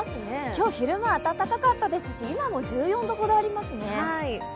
今日、昼間は暖かかったですし今も１４度ほどありますね。